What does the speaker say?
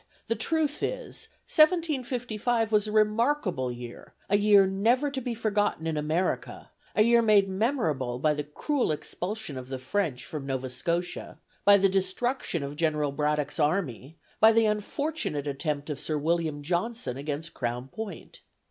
The truth is, 1755 was a remarkable year, "a year never to be forgotten in America," a year made memorable by the cruel expulsion of the French from Nova Scotia, by the destruction of General Braddock's army, by the unfortunate attempt of Sir William Johnson against Crown Point.